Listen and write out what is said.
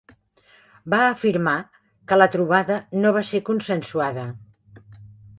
Va afirmar que la trobada no va ser consensuada.